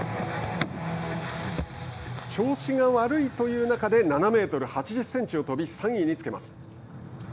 調子が悪いという中で７メートル８０センチを跳び３位につけます。